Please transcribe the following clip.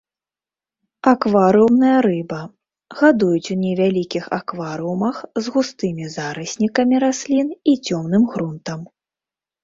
Акварыумная рыба, гадуюць у невялікіх акварыумах з густымі зараснікамі раслін і цёмным грунтам.